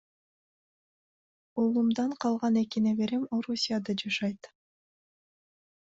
Улуумдан калган эки неберем Орусияда жашайт.